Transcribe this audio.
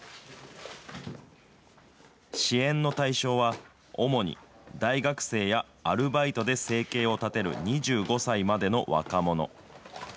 支援の対象は、主に大学生やアルバイトで生計を立てる２５歳までの若者。